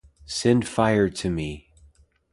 Send fire to me!